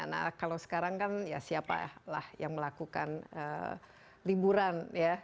nah kalau sekarang kan ya siapalah yang melakukan liburan ya